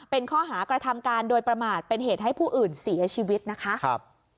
เป็นข้อหากระทำการโดยประมาทเป็นเหตุให้ผู้อื่นเสียชีวิตนะคะ